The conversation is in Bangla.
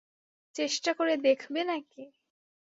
চেষ্টা করে দেখবে নাকি?